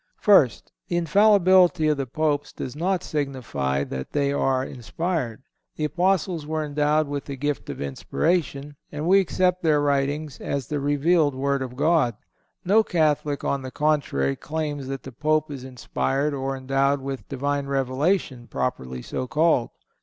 First—The infallibility of the Popes does not signify that they are inspired. The Apostles were endowed with the gift of inspiration, and we accept their writings as the revealed Word of God. No Catholic, on the contrary, claims that the Pope is inspired or endowed with Divine revelation properly so called.